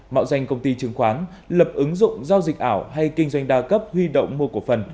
mạo danh công ty chứng khoán lập ứng dụng giao dịch ảo hay kinh doanh đa cấp huy động mua cổ phần